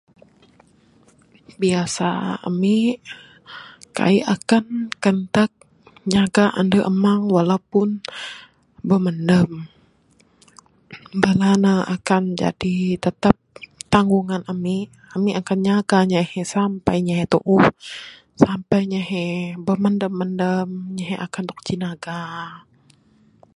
Biasa ami kaik akan kanteg nyaga ande amang walaupun meh mandam. Bala ne akan jadi tetap tanggungan ami akan nyaga ne sampai inya he tuuh sampe inya he bermandam mandam inya he akan dog jinaga